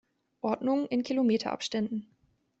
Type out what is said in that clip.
Ordnung in km-Abständen.